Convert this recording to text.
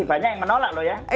banyak yang menolak loh ya